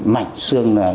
mảnh sương thái dương